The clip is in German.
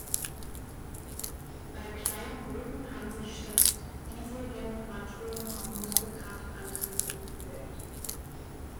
Bei kleinen Booten haben sich statt Diesel-Generatoren auch Muskelkraft-Antriebe bewährt.